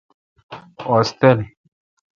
اوس تل۔